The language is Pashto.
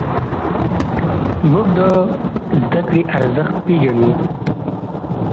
موږ د زدهکړې ارزښت پېژنو.